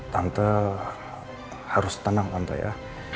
tante harus tenang tante ya